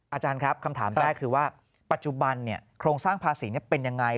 อาจารย์ครับคำถามแรกคือว่าปัจจุบันโครงสร้างภาษีเป็นยังไง